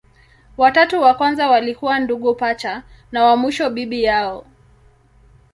Watatu wa kwanza walikuwa ndugu pacha, wa mwisho bibi yao.